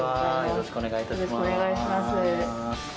よろしくお願いします。